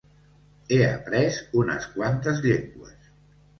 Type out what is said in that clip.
He après unes quantes llengües.